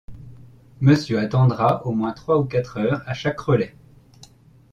Monsieur attendra au moins trois ou quatre heures à chaque relais.